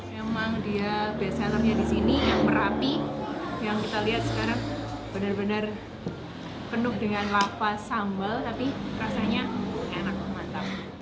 memang dia biasanya disini yang merapi yang kita lihat sekarang benar benar penuh dengan lava sambal tapi rasanya enak banget